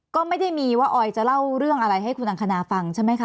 ก็ไม่ได้มีว่าออยจะเล่าเรื่องอะไรให้คุณอังคณาฟังใช่ไหมคะ